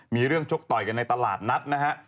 มีเรื่องชกต่อยกันในตลาดนัดนะฮะ